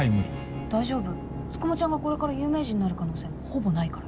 大丈夫つくもちゃんがこれから有名人になる可能性はほぼないから。